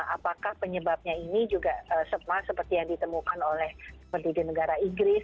apakah penyebabnya ini juga seperti yang ditemukan oleh seperti di negara inggris